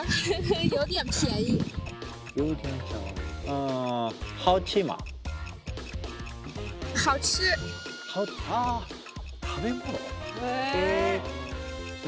あ食べ物？